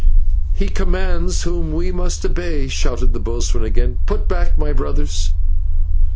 "He commands whom we must obey," shouted the boatswain again; "put back, my brothers."